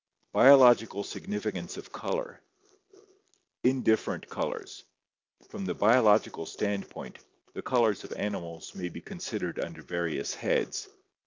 Biological Significance of Color Indifferent Colors. — From the biological standpoint, the colors of animals may be considered under various heads.